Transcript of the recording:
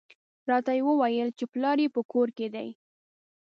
راته یې وویل چې پلار یې په کور کې دی.